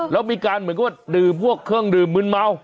แล้วมีการเหมือนกับว่าดื่มพวกเครื่องดื่มมืนเมา